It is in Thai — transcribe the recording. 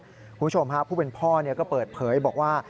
คุณผู้ชมฮะผู้เป็นพ่อก็เปิดเผยบอกว่า